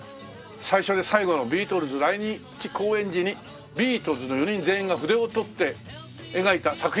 「最初で最後のビートルズ来日公演時にビートルズの４人全員が筆を執って描いた作品」